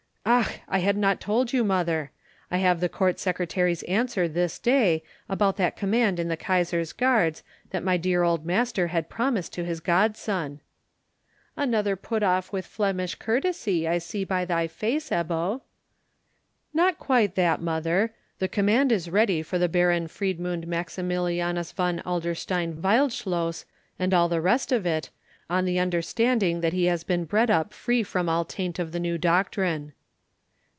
"Ach, I had not told you, mother! I have the Court Secretary's answer this day about that command in the Kaisar's guards that my dear old master had promised to his godson." "Another put off with Flemish courtesy, I see by thy face, Ebbo." "Not quite that, mother. The command is ready for the Baron Friedmund Maximilianus von Adlerstein Wildschloss, and all the rest of it, on the understanding that he has been bred up free from all taint of the new doctrine."